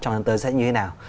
trong lần tới sẽ như thế nào